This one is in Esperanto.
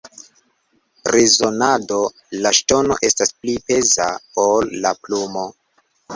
Rezonado: La ŝtono estas pli peza ol la plumo.